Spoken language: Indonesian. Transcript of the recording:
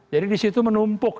jadi disitu menumpuk